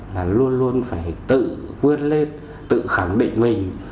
là luôn luôn phải tự vươn lên tự khẳng định mình